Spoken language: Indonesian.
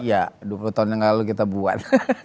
ya dua puluh tahun yang lalu kita buat